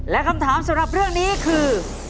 และคำถามสำหรับเรื่องนี้คือ